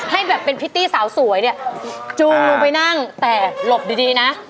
ให้แบบเป็นพริตตี้สาวสวยเนี่ยจูงลงไปนั่งแต่หลบดีดีนะ